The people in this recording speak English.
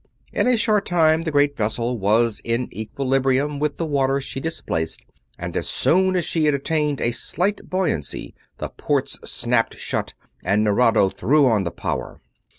In a short time the great vessel was in equilibrium with the water she displaced, and as soon as she had attained a slight buoyancy the ports snapped shut and Nerado threw on the power.